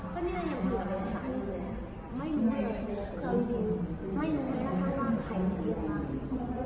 ก็เนี่ยยังเหลือในสายเลยไม่รู้ไม่รู้ว่าถ้าถ้าถ้าใครมีวงอาหาร